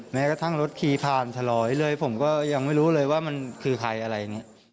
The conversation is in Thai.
แม้กระทั่งรถขี่ผ่านถลอยเลยผมก็ยังไม่รู้เลยว่ามันคือใครอะไรอย่างนี้